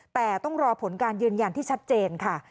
แต่ต้องรอผลการยืนยันที่ชัดเจนค่ะ